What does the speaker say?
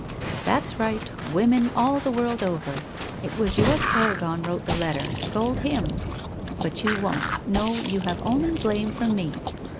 ' That's right — women all the world over ! It was your paragon wrote the letter, scold him ! But you won't, no, you have only blame for me.